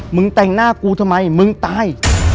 มึงแต่งหน้ากูทำไมมึงตาย